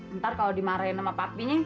entar kalo dimarahin sama papinya